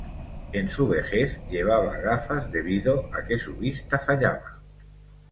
En su vejez llevaba gafas debido a que su vista fallaba.